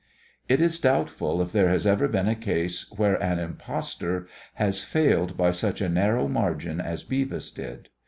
It is doubtful if there has ever been a case where an impostor has failed by such a narrow margin as Beavis did.